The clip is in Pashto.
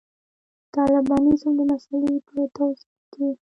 د طالبانیزم د مسألې په توضیح کې.